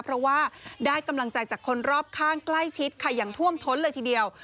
เพราะว่าได้กำลังใจจากคนรอบข้างใกล้ชิดค่ะอย่างท่วมท้นเลยทีเดียว